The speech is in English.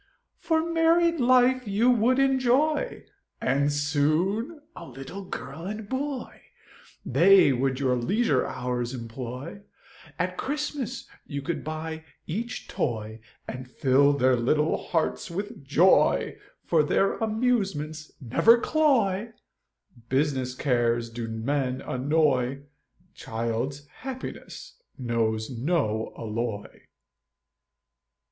For married life you would enjoy, And soon a little girl and boy, They would your leisure hours employ, At Christmas you could buy each toy, And fill their little hearts with joy, For their amusements never cloy, Business cares do men annoy, Child's happiness knows no alloy.